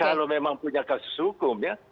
kalau memang punya kasus hukum ya